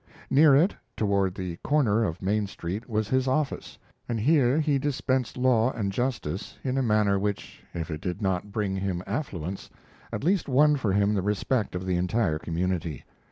] Near it, toward the corner of Main Street, was his office, and here he dispensed law and justice in a manner which, if it did not bring him affluence, at least won for him the respect of the entire community.